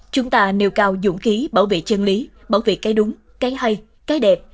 chúng ta nêu cao dũng khí bảo vệ chân lý bảo vệ cái đúng cái hay cái đẹp